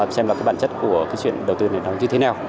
xem vào cái bản chất của cái chuyện đầu tư này nó như thế nào